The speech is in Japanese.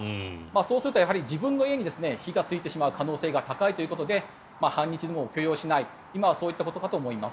そうするとやはり自分の家に火がついてしまう可能性が高いということで反日デモを許容しない今はそういったことかと思います。